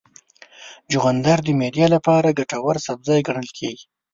چغندر د معدې لپاره ګټور سبزی ګڼل کېږي.